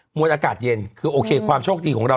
มวลอากาศเย็นคือโอเคความโชคดีของเรา